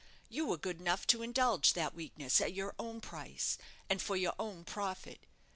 You were good enough to indulge that weakness at your own price, and for your own profit.